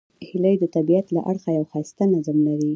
هیلۍ د طبیعت له اړخه یو ښایسته نظم لري